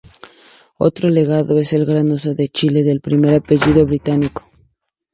Otro legado es el gran uso en Chile del primer apellido británico.